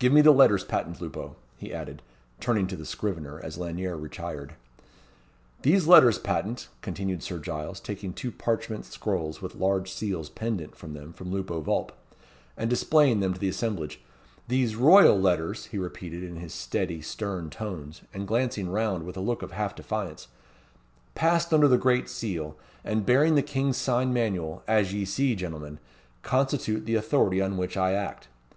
Give me the letters patent, Lupo," he added, turning to the scrivener, as Lanyere retired. "These Letters Patent," continued Sir Giles, taking two parchment scrolls with large seals pendent from them from Lupo Vulp, and displaying them to the assemblage, "these Royal Letters," he repeated in his steady, stern tones, and glancing round with a look of half defiance, "passed under the great seal, and bearing the king's sign manual, as ye see, gentlemen, constitute the authority on which I act.